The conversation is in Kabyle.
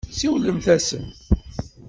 Siwlemt-asen.